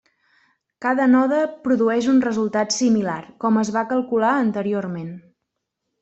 Cada node produeix un resultat similar, com es va calcular anteriorment.